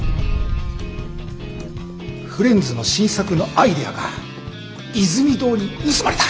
フレンズの新作のアイデアがイズミ堂に盗まれた。